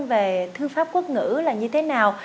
về thư pháp quốc ngữ là như thế nào